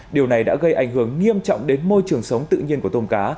điều này đã gây ảnh hưởng nghiêm trọng đến môi trường sống tự nhiên của tôm cá